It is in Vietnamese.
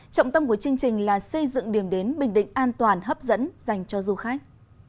trọng tâm của chương trình là xây dựng điểm đến bình định an toàn hấp dẫn dành cho du khách